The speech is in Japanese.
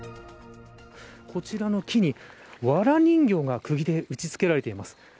こちらの木にわら人形がくぎで打ち付けられています。